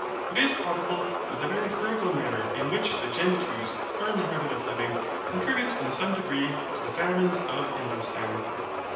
It is probable that the very frugal manner in which the Gentoos are in the habit of living contributes in some degree to the famines of Indostan.